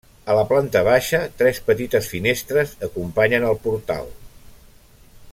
A la planta baixa, tres petites finestres acompanyen el portal.